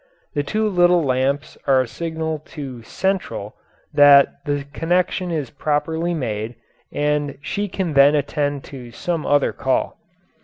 The two little lamps are a signal to "central" that the connection is properly made and she can then attend to some other call.